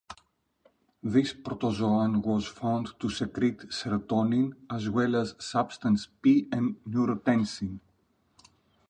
This protozoan was found to secrete serotonin as well as substance P and neurotensin.